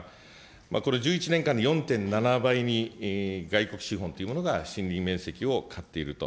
これ、１１年間に４．７倍に外国資本というものが、森林面積を買っていると。